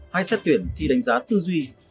hay xét tuyển thi đánh giá tư duy